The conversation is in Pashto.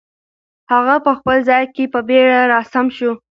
هغه په خپل ځای کې په بیړه را سم شو.